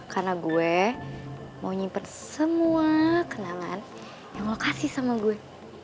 karena gue mau nyimper semua kenangan yang lo kasih sama gue